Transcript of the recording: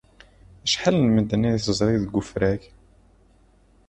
Acḥal n medden ay teẓrid deg wefrag?